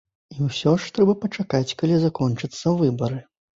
І ўсё ж трэба пачакаць, калі закончацца выбары.